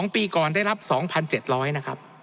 ๒ปีก่อนได้รับ๒๗๐๐นะครับ